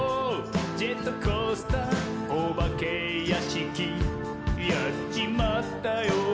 ジェットコースターおばけやしき」「やっちまったよ！